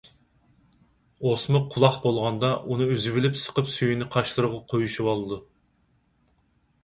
ئوسما قۇلاق بولغاندا، ئۇنى ئۈزۈۋېلىپ سىقىپ سۈيىنى قاشلىرىغا قويۇشۇۋالىدۇ.